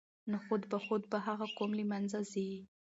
نو خود به خود به هغه قوم له منځه ځي.